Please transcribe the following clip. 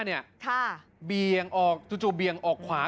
เห็นจังหวะนะครับ